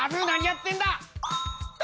何やってんだ？